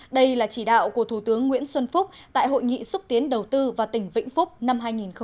đây là chỉ đạo của thủ tướng nguyễn xuân phúc tại hội nghị xúc tiến đầu tư và tỉnh vĩnh phúc năm hai nghìn một mươi chín